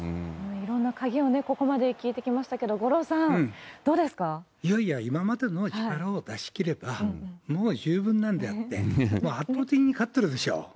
いろんな鍵をね、ここまで聞いてきましたけど、五郎さん、どいやいや、今までの力を出し切れば、もう十分なんだよって、もう圧倒的に勝ってるでしょう。